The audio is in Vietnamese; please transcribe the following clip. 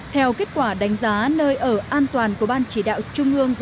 theo kết quả đánh giá nơi ở an toàn của ban chỉ đạo trung ương